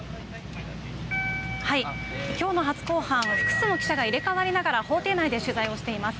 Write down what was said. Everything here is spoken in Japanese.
きょうの初公判は複数の記者が入れ替わりながら法廷内で取材をしています。